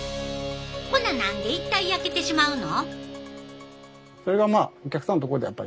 ほな何で一体焼けてしまうの？